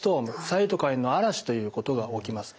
サイトカインの嵐ということが起きます。